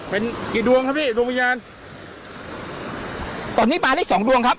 เป็นกี่ดวงครับพี่ดวงวิญญาณตอนนี้มาได้สองดวงครับ